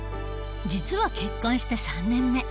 実は結婚して３年目。